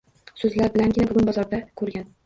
So‘zlar bilangina bugun bozorda ko‘rgan